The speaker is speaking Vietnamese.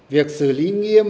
việc xử lý nghiêm